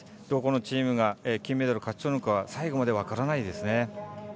どこのチームが金メダル勝ち取るのか最後まで分からないですね。